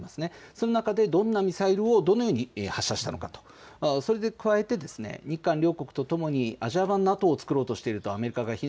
その中でどのようなミサイルをどのように発射したのかそれに加えて日韓両国とともにアジア版ＮＡＴＯを作ろうとしていると。